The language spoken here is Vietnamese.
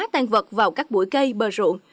tăng vật vào các bụi cây bờ ruộng